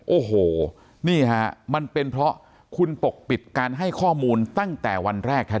โอ้โหนี่ฮะมันเป็นเพราะคุณปกปิดการให้ข้อมูลตั้งแต่วันแรกแท้